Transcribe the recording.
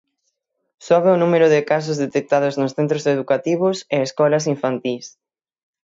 Sobe o número de casos detectados nos centros educativos e escolas infantís.